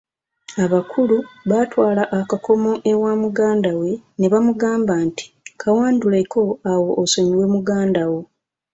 Abakulu baatwala akakomo ewa muganda we ne bamugamba nti, kawanduleko awo osonyiwe muganda wo.